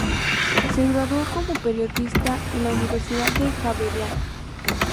Se graduó como periodista en la Universidad Javeriana.